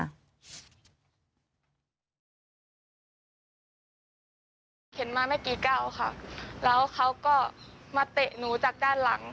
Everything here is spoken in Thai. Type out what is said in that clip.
เข็นมาไม่กี่ก้าวค่ะแล้วเขาก็มาเตะหนูจากด้านหลัง